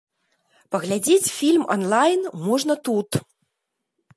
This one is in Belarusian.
Паглядзець фільм он-лайн можна тут.